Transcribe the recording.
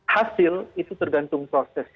hasil itu tergantung proses